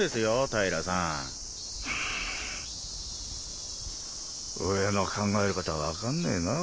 平さん上の考えることは分かんねえなあ